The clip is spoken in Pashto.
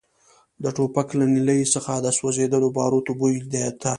د ټوپک له نلۍ څخه د سوځېدلو باروتو بوی ته.